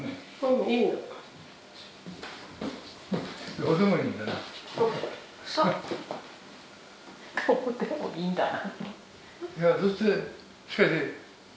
どうでもいいんだな。